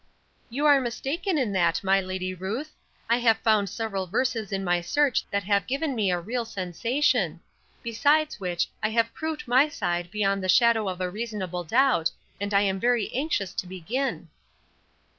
"You are mistaken in that, my lady Ruth. I have found several verses in my search that have given me a real sensation. Besides which, I have proved my side beyond the shadow of a reasonable doubt, and I am very anxious to begin."